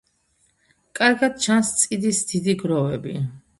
კარგად ჩანს წიდის დიდი გროვები.